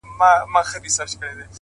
سم وارخطا-